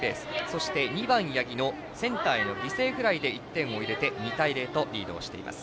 そして２番、八木のセンターへの犠牲フライで１点を入れて２対０とリードしています。